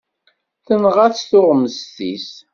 Tenɣa-tt tuɣmest-is.